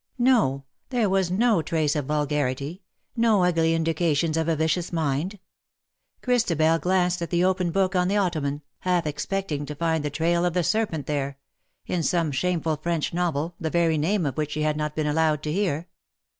No, there was no trace of vulgarity — no ugly indication of a vicious mind. Christabel glanced at the open book on the ottoman, half expecting to find the trail of the serpent there — in some shameful French novel, the very name of which she had not been allowed to hear.